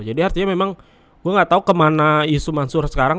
jadi artinya memang gue enggak tau kemana yus mansur sekarang